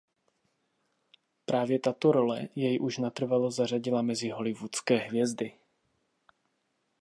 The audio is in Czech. Právě tato role jej už natrvalo zařadila mezi hollywoodské hvězdy.